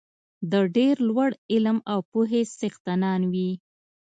د ډېر لوړ علم او پوهې څښتنان وي.